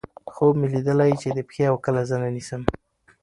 خوب مې ليدلے چې دې پښې اؤ کله زنه نيسم